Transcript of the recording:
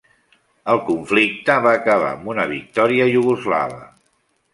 El conflicte va acabar amb una victòria Iugoslava.